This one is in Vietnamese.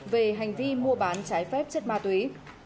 về hành vi mua bán trái phép chất ma túy